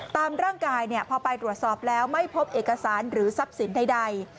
ตามร่างกายพอไปตรวจสอบแล้วไม่พบเอกสารหรือทรัพย์สินใด